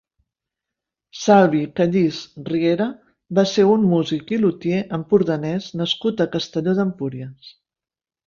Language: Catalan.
Salvi Callís Riera va ser un músic i luthier empordanès nascut a Castelló d'Empúries.